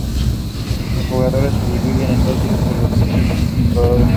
Los jugadores se dividen en dos grupos: los indios y los exploradores.